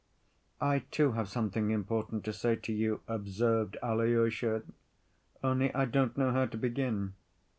"I too have something important to say to you," observed Alyosha, "only I don't know how to begin."